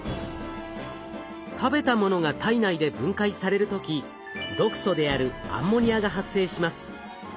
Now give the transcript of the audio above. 食べたものが体内で分解される時毒素であるアンモニアが発生します。